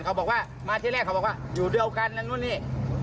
เขาบอกว่ามาที่แรกเขาบอกว่าอยู่เดียวกันทางนู้นนี่